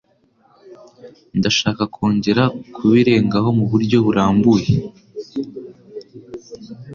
Ndashaka kongera kubirengaho muburyo burambuye.